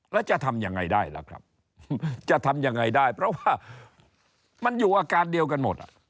แล้วจะทำยังไงได้ล่ะครับจะทำยังไงได้เพราะว่ามันอยู่อาการเดียวกันหมด